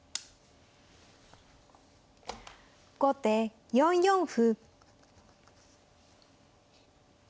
後手４四歩。